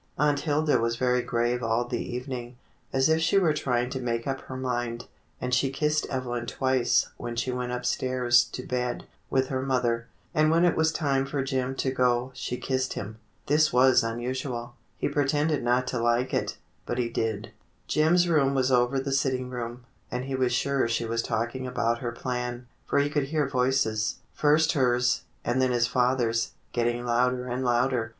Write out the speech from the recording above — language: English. Aunt Hilda was very grave all the evening, as if she were trying to make up her mind, and she kissed Evelyn twice when she went upstairs to bed with her mother, and when it was time for Jim to go she kissed him. This was unusual. He pretended not to like it, but he did. Jim's room was over the sitting room, and he was sure she was talking about her plan, for he could hear voices, first hers, and then his father's, getting louder and louder.